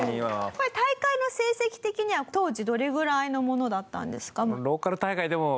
これ大会の成績的には当時どれぐらいのものだったんですか？